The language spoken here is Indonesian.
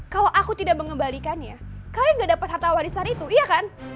kalau aku tidak mengembalikannya kalian gak dapat harta warisan itu iya kan